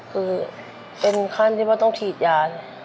คือเป็นขั้นที่ว่าต้องฉีดยา